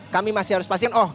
kami masih harus pastikan